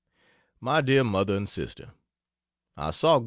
MY DEAR MOTHER AND SISTER, I Saw Gov.